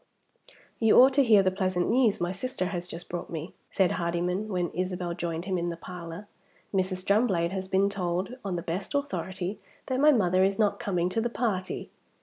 "You ought to hear the pleasant news my sister has just brought me," said Hardyman, when Isabel joined him in the parlor. "Mrs. Drumblade has been told, on the best authority, that my mother is not coming to the party."